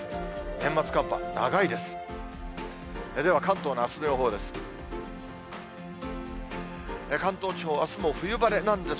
年末寒波、長いです。